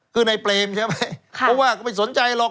คือในเปรมใช่ไหมเพราะว่าก็ไม่สนใจหรอก